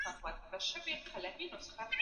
مرګ د فاني او ابدي ژوند ترمنځ دروازه ده.